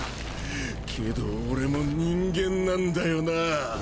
けど俺も人間なんだよなぁ。